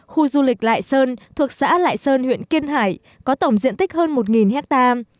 khu du lịch lại sơn thuộc xã lại sơn huyện kiên hải có tổng diện tích hơn một hectare